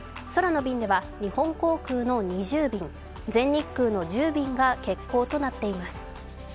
空の便では日本航空の２０便、全日空の１０便が欠航となっています。